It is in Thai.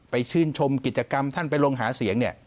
ไปชื่นชมกิจกรรมท่านไปลงหาเสียง